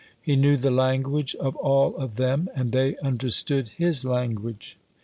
He knew the language of all of them and they understood his language.